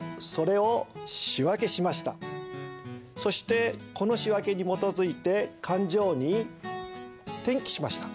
そしてこの仕訳に基づいて勘定に転記しました。